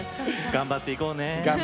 頑張っていこうね